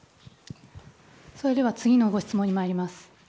それでは次のご質問に参ります。